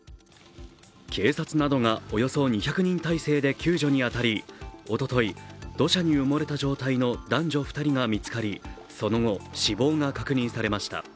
警察などがおよそ２００人態勢で救助に当たりおととい土砂に埋もれた状態の男女２人が見つかりその後、死亡が確認されました。